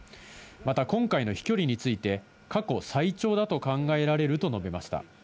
また今回の飛距離について過去最長だと考えられると述べました。